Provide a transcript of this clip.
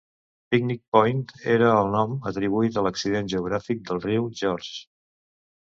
Picnic Point era el nom atribuït a l'accident geogràfic del riu Georges.